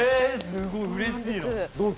すごい、うれしいよ。